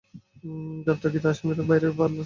গ্রেফতারকৃত আসামীরা বাইরে লাগাচ্ছে কেন?